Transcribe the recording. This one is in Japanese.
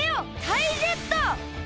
タイジェット！